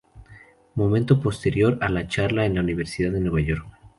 Momento posterior a la charla en la Universidad de Nueva York.